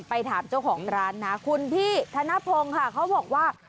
ไปถามเจ้าของร้านนะคุณพี่ธนพงศ์ค่ะเขาบอกว่า